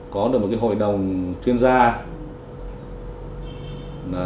có được một cái hội đồng chuyên gia